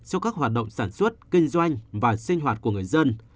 sau các hoạt động sản xuất kinh doanh và sinh hoạt của người dân